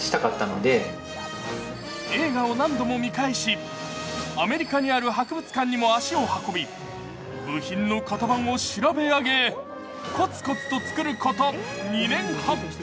映画を何度も見返し、アメリカにある博物館にも足を運び、部品の型番を調べ上げ、コツコツと作ること２年半。